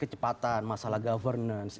kecepatan masalah governance